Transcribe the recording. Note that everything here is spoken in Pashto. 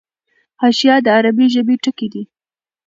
حاشیه د عربي ژبي ټکی دﺉ.